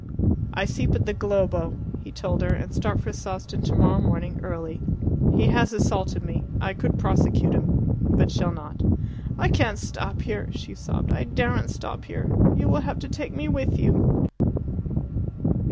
"I sleep at the Globo," he told her, "and start for Sawston tomorrow morning early. He has assaulted me. I could prosecute him. But shall not." "I can't stop here," she sobbed. "I daren't stop here. You will have to take me with you!"